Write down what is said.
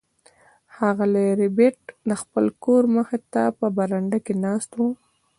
ښاغلی ربیټ د خپل کور مخې ته په برنډه کې ناست و